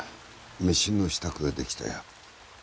飯の支度ができたよ。